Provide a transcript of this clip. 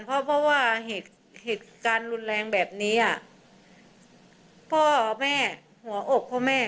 เพราะว่าเหตุการณ์รุนแรงแบบนี้อ่ะพ่อแม่หัวอกพ่อแม่